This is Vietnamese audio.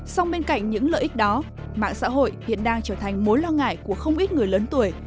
song bên cạnh những lợi ích đó mạng xã hội hiện đang trở thành mối lo ngại của không ít người lớn tuổi